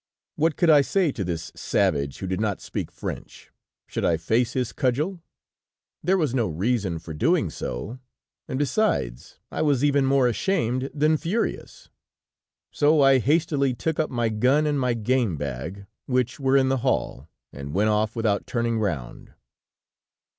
What could I say to this savage who did not speak French? Should I face his cudgel? There was no reason for doing so; and besides, I was even more ashamed than furious; so I hastily took up my gun and my game bag, which were in the hall, and went off without turning round.